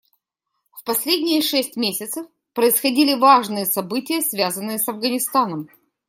В последние шесть месяцев происходили важные события, связанные с Афганистаном.